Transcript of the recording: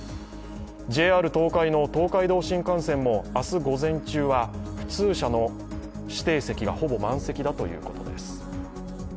ＪＲ東海の東海道新幹線も明日午前中は普通車の指定席がほぼ満席だということです。